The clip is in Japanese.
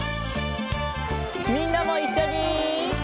みんなもいっしょに！